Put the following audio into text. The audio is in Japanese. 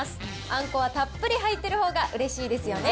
あんこはたっぷり入っているほうがうれしいですよね。